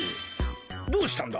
どうしたんだ？